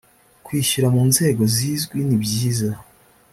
kwishyura mu nzego zizwi nibyiza